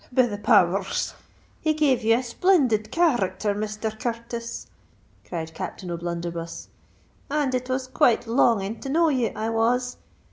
"Be the power rs! he gave you a splindid char r acter, Misther Curtis!" cried Captain O'Blunderbuss; "and it was quite longing to know ye, I was.